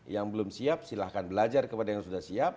yang belum siap silahkan belajar kepada yang sudah siap